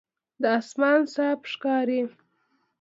دا آسمان صاف ښکاري.